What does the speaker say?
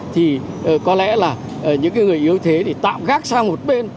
thì có lẽ là những người yếu thế thì tạm gác sang một bên